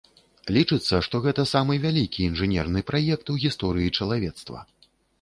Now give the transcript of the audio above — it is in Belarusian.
Лічыцца, што гэта самы вялікі інжынерны праект у гісторыі чалавецтва.